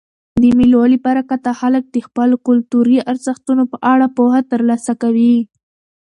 د مېلو له برکته خلک د خپلو کلتوري ارزښتو په اړه پوهه ترلاسه کوي.